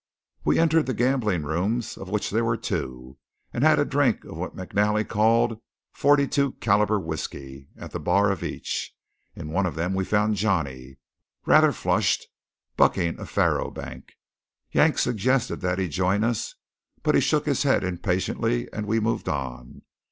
We entered the gambling rooms, of which there were two, and had a drink of what McNally called "42 calibre whiskey" at the bar of each. In one of them we found Johnny, rather flushed, bucking a faro bank. Yank suggested that he join us, but he shook his head impatiently, and we moved on.